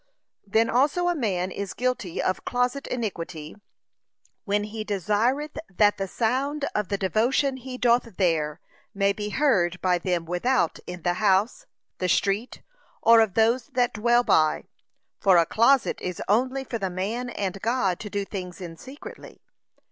Then also a man is guilty of closet iniquity, when he desireth that the sound of the devotion he doth there, may be heard by them without in the house, the street, or of those that dwell by; for a closet is only for the man and God to do things in secretly.